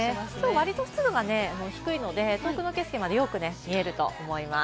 割と湿度が低いので、遠くの景色までよく見えると思います。